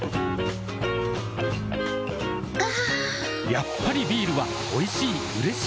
やっぱりビールはおいしい、うれしい。